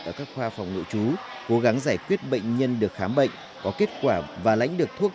ở các khoa phòng nội chú cố gắng giải quyết bệnh nhân được khám bệnh có kết quả và lãnh được thuốc